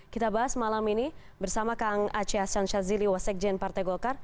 kita bahas malam ini bersama kang aceh hasan shazili wasekjen partai golkar